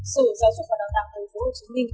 sở giáo dục và đào tạo tp hcm